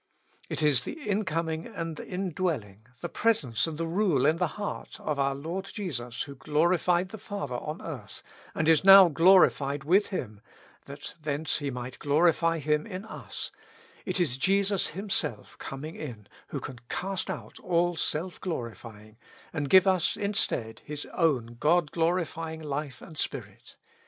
It is the incoming and indwelling, the Presence and the Rule in the heart, of our Lord Jesus who glorified the Father on earth, and is now glorified with Him, that thence He might glorify Him in us ;— it is Jesus Himself coming in, who can cast out all self glorify ing, and give us instead His own God glorifying life and Spirit.